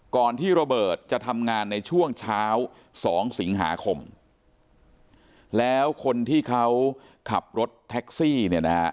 ที่ระเบิดจะทำงานในช่วงเช้าสองสิงหาคมแล้วคนที่เขาขับรถแท็กซี่เนี่ยนะฮะ